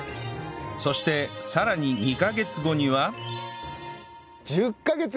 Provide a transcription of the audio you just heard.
そしてさらに２カ月後には